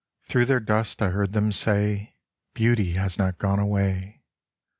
Through their dust I heard them say Beauty has not gone away.